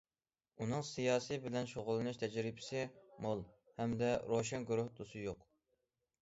ئۇنىڭ سىياسىي بىلەن شۇغۇللىنىش تەجرىبىسى مول، ھەمدە روشەن گۇرۇھ تۈسى يوق.